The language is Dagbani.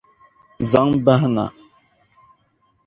Zaŋ bahi na!